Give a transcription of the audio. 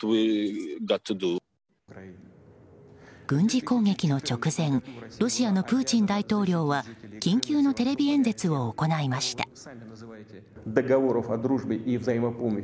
軍事攻撃の直前ロシアのプーチン大統領は緊急のテレビ演説を行いました。